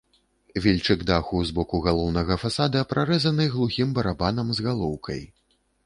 Вільчык даху з боку галоўнага фасада прарэзаны глухім барабанам з галоўкай.